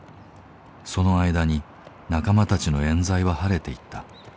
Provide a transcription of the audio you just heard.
その間に仲間たちのえん罪は晴れていった。